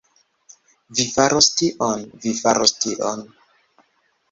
Vi faros tion... vi faros tion...